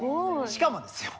しかもですよ